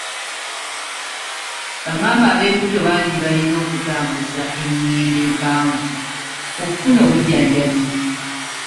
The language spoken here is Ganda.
Bamaama b'embuto bangi balina okutambuza engendo empanvu okufuna obujjanjabi.